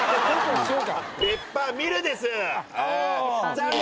残念！